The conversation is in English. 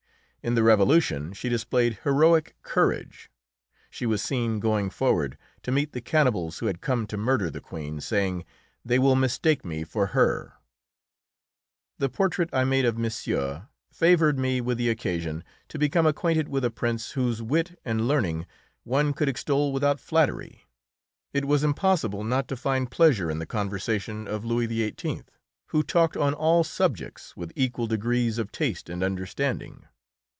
In the Revolution she displayed heroic courage; she was seen going forward to meet the cannibals who had come to murder the Queen, saying, "They will mistake me for her!" [Illustration: MADAME ELISABETH, SISTER OF LOUIS XVI.] The portrait I made of Monsieur favoured me with the occasion to become acquainted with a prince whose wit and learning one could extol without flattery; it was impossible not to find pleasure in the conversation of Louis XVIII., who talked on all subjects with equal degrees of taste and understanding.